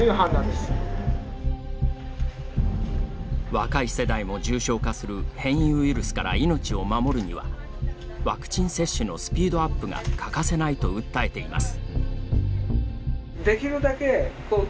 若い世代も重症化する変異ウイルスから命を守るにはワクチン接種のスピードアップが欠かせないと訴えています。